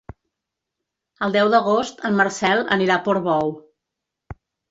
El deu d'agost en Marcel anirà a Portbou.